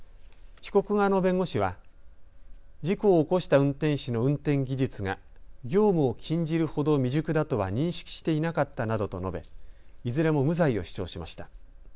被告側の弁護士は事故を起こした運転手の運転技術が業務を禁じるほど未熟だとは認識していなかったなどと述べ、いずれも無罪を主張しました。